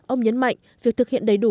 ông nhấn mạnh việc thực hiện đầy đủ